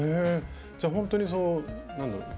じゃほんとに何だろう